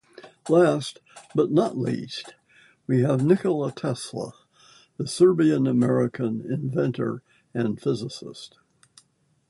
Last but not least, we have Nikola Tesla, the Serbian-American inventor and physicist.